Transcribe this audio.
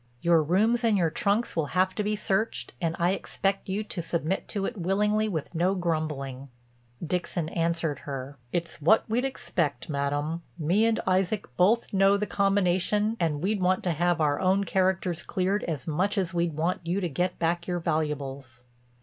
Your rooms and your trunks will have to be searched and I expect you to submit to it willingly with no grumbling." Dixon answered her: "It's what we'd expect, Madam. Me and Isaac both know the combination and we'd want to have our own characters cleared as much as we'd want you to get back your valuables."